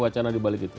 wacana dibalik itu